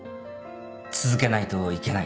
続けないといけない。